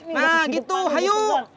nah gitu hayu